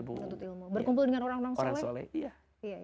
berkumpul dengan orang soleh